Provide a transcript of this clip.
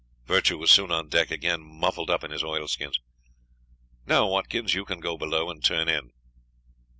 Virtue was soon on deck again, muffled up in his oilskins. "Now, Watkins, you can go below and turn in."